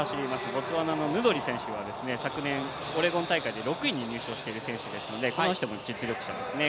ボツワナのヌドリ選手は昨年オレゴン大会で６位に入賞している選手ですので、この人も実力者ですね。